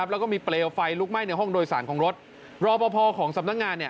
แล้วก็มีเปล่าไฟนกในห้องโดยสารคงรถรอพอของสำนักงานเนี่ย